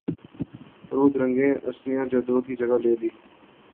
عروہ نے رنگریزا میں ثناء جاوید کی جگہ لے لی